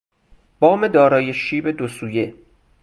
بام دارای شیب دو سویه